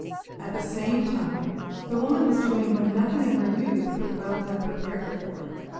At the same time, the woman was doing what nothing in her youth could well have prepared her for.